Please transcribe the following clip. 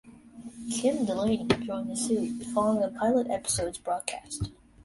Kim Delaney joined the series following the pilot episode's broadcast.